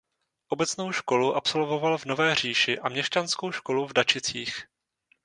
Obecnou školu absolvoval v Nové Říši a měšťanskou školu v Dačicích.